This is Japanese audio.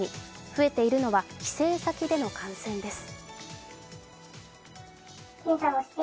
増えているのは帰省先での感染です。